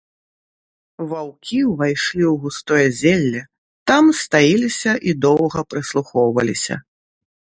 Ваўкі ўвайшлі ў густое зелле, там стаіліся і доўга прыслухоўваліся.